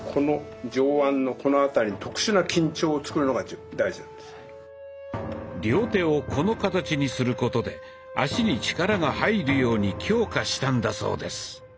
動かしてグーッとなってこの両手をこの形にすることで足に力が入るように強化したんだそうです。